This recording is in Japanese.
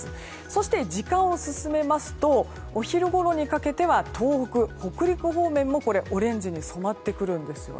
そして時間を進めますとお昼ごろにかけては東北や北陸方面もオレンジに染まってくるんです。